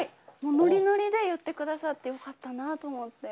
ノリノリで言ってくださって、よかったなと思って。